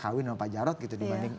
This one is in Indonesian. kawin sama pak jarod gitu dibanding